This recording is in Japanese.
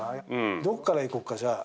どこからいこうか、じゃあ。